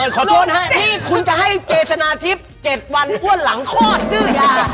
ขอโทษฮะนี่คุณจะให้เจชนะทิพย์๗วันอ้วนหลังคลอดดื้อยา